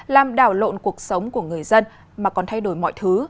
làm đảo lộn cuộc sống của người dân mà còn thay đổi mọi thứ